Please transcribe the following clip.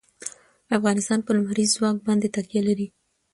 افغانستان په لمریز ځواک باندې تکیه لري.